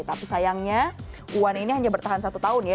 tapi sayangnya uan ini hanya bertahan satu tahun ya